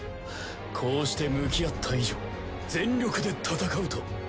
こうして向き合った以上全力で闘うと。